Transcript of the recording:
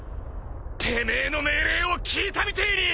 てめえの命令を聞いたみてえに！